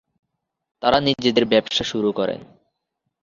তারা নিজেদের ব্যবসা শুরু করেন।